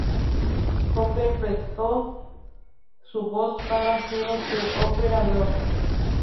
Cooper prestó su voz para "Hero: The opera rock".